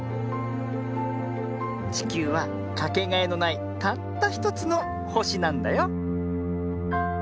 ちきゅうはかけがえのないたったひとつのほしなんだよ。